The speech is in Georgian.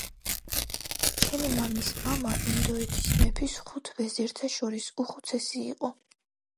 ჩემი მამის მამა ინდოეთის მეფის ხუთ ვეზირთა შორის უხუცესი იყო